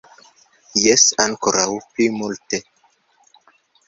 Jes, ankoraŭ pli multe.